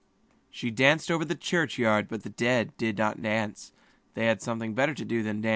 She danced out into the open churchyard; but the dead there did not dance. They had something better to do than that.